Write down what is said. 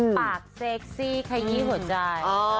ปากเซ็กซี่ขยี้หัวใจ